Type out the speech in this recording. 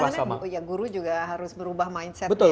nanti rasanya kadang kadang guru juga harus berubah mindsetnya